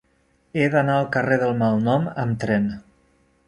He d'anar al carrer del Malnom amb tren.